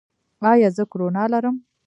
ایا زه کرونا لرم؟